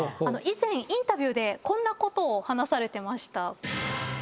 以前インタビューでこんなことを話されてました。